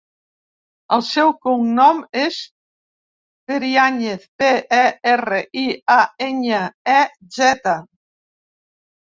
El seu cognom és Periañez: pe, e, erra, i, a, enya, e, zeta.